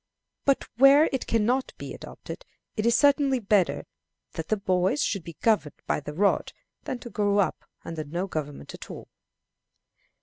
But where it can not be adopted, it is certainly better that the boys should be governed by the rod than to grow up under no government at all.